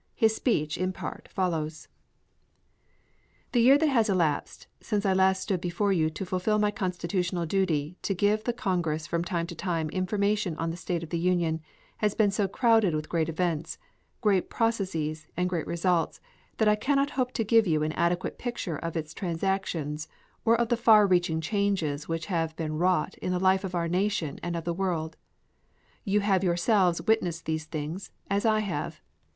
His speech, in part, follows: "The year that has elapsed since I last stood before you to fulfil my constitutional duty to give to the Congress from time to time information on the state of the Union has been so crowded with great events, great processes and great results that I cannot hope to give you an adequate picture of its transactions or of the far reaching changes which have been wrought in the life of our Nation and of the world. You have yourselves witnessed these things, as I have.